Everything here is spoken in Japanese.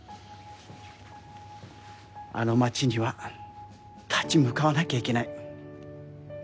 あの街には立ち向かわなきゃいけない。